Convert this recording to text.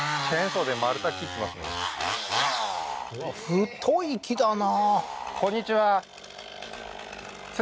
太い木だな